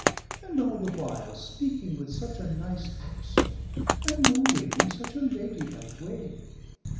"And all the while speaking with such a nice accent and moving in such a ladylike way!"